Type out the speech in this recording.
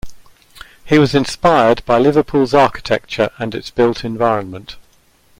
He was inspired by Liverpool's architecture and its built environment.